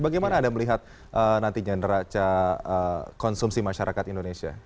bagaimana anda melihat nantinya neraca konsumsi masyarakat indonesia